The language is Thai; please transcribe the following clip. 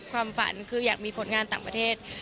ความฝันคืออยากมีผลงานต่างประเทศ